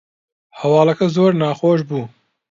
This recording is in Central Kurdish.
هەواڵەکە زۆر ناخۆش بوو